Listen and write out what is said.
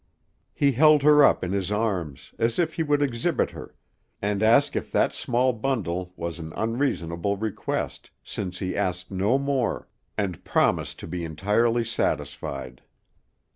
He held her up in his arms, as if he would exhibit her, and ask if that small bundle was an unreasonable request, since he asked no more, and promised to be entirely satisfied.